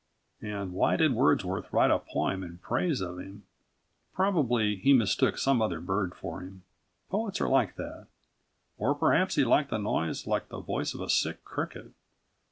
And why did Wordsworth write a poem in praise of him? Probably he mistook some other bird for him. Poets are like that. Or perhaps he liked a noise like the voice of a sick cricket.